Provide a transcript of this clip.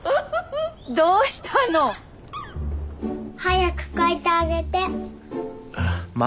どうしたの？早く替えてあげて。